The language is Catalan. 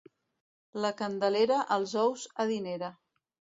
La Candelera els ous adinera.